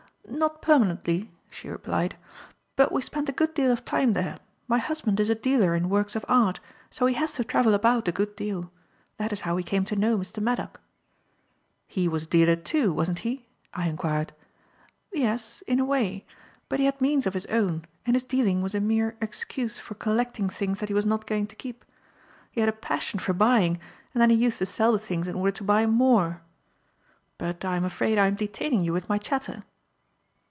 "Not permanently," she replied. "But we spend a good deal of time there. My husband is a dealer in works of art, so he has to travel about a good deal. That is how we came to know Mr. Maddock." "He was a dealer too, wasn't he?" I enquired. "Yes, in a way. But he had means of his own and his dealing was a mere excuse for collecting things that he was not going to keep. He had a passion for buying, and then he used to sell the things in order to buy more. But I am afraid I am detaining you with my chatter?"